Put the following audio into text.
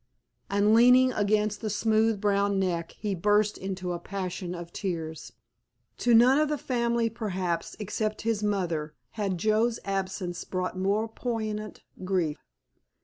And leaning against the smooth brown neck he burst into a passion of tears. To none of the family perhaps, except his mother, had Joe's absence brought more poignant grief.